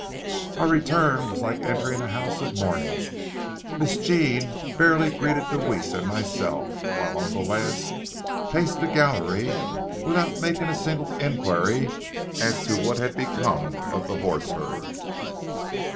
Our return was like entering a house of mourning. Miss Jean barely greeted Deweese and myself, while Uncle Lance paced the gallery without making a single inquiry as to what had become of the horse herd.